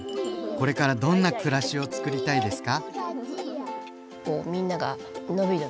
これからどんな暮らしをつくりたいですか？